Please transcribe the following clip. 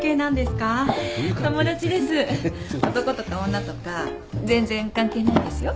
男とか女とか全然関係ないんですよ。